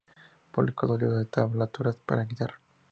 Publicó dos libros de tablaturas para guitarra.